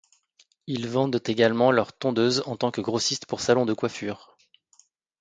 Ils vendent également leur tondeuse en tant que grossiste pour salons de coiffure.